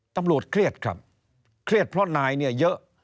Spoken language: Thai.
ตำรวจเครียดครับเครียดเพราะนายเนี่ยเยอะ